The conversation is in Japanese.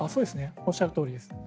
おっしゃるとおりです。